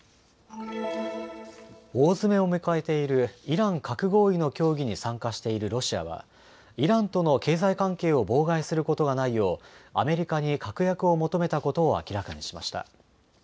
大詰めを迎えているイラン核合意の協議に参加しているロシアはイランとの経済関係を妨害することがないようアメリカに確約を求めたことを明らかにしました。